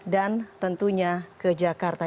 dan tentunya ke jakarta